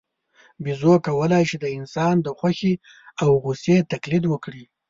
بیزو کولای شي د انسان د خوښۍ او غوسې تقلید وکړي.